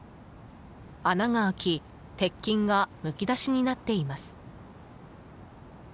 穴が開き鉄筋がむき出しになっています。